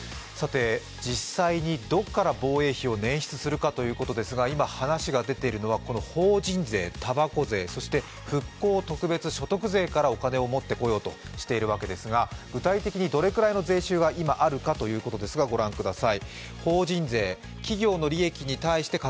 実際にどこから防衛費を捻出するかということなんですが、今、話が出ているのは法人税、たばこ税、そして復興特別所得税からお金を持ってこようとしているわけですが、具体的にどれくらいの税収が今あるかということですがご覧ください。